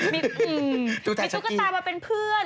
มีตุ๊กตามาเป็นเพื่อน